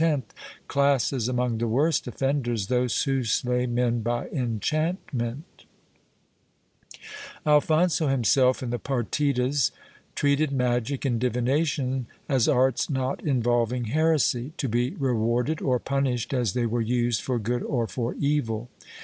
(179) 230 SOBCEBY AND OCCULT ARTS [Book VIII Alfonso X, classes among the worst offenders those who slay men by enchantment/ Alfonso himself, in the Partidas, treated magic and divination as arts not involving heresy, to be rewarded or punished as they were used for good or for evil.